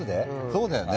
そうだよね